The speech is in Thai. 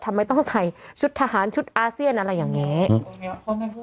ทำไมต้องใส่ชุดทหารชุดอาเซียนอะไรอย่างนี้